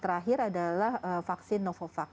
terakhir adalah vaksin novovac